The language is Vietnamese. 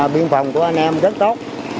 biên phòng của anh em rất tốt